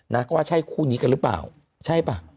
นะก็ว่าใช่คู่นี้กันหรือเปล่าใช่ป่ะ